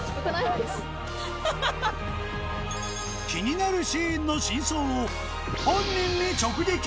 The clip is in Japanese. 気になるシーンの真相を本人に直撃。